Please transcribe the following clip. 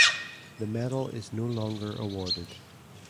The medal is no longer awarded.